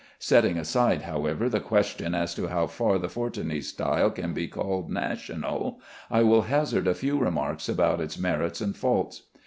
Setting aside, however, the question as to how far the Fortuny style can be called national, I will hazard a few remarks about its merits and faults.